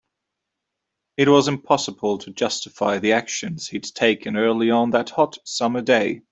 It was impossible to justify the actions he'd taken earlier on that hot, summer day.